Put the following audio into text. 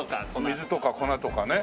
水とか粉とかね。